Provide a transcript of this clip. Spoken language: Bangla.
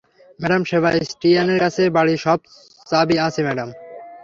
ম্যাডাম সেবাস্টিয়ানের কাছে বাড়ির সব চাবি আছে, ম্যাডাম।